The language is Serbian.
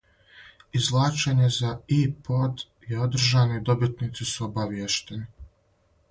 Извлачење за иПод је одржано и добитници су обавијештени.